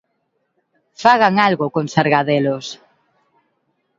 Fagan algo con Sargadelos.